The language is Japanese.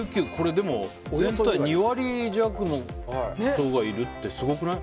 全体の２割弱の人がいるってすごくない？